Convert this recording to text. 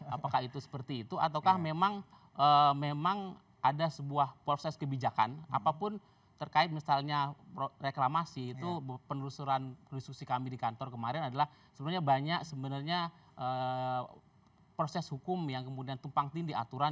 apakah itu seperti itu ataukah memang ada sebuah proses kebijakan apapun terkait misalnya reklamasi itu penelusuran kristusi kami di kantor kemarin adalah sebenarnya banyak sebenarnya proses hukum yang kemudian tumpang tindih aturan